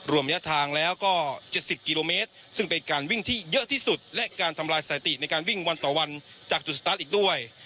ระยะทางแล้วก็๗๐กิโลเมตรซึ่งเป็นการวิ่งที่เยอะที่สุดและการทำลายสถิติในการวิ่งวันต่อวันจากจุดสตาร์ทอีกด้วย